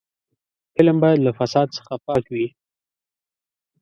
فلم باید له فساد څخه پاک وي